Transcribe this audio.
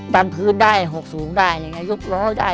บรรพื้นได้หกสูงได้ยกล้อได้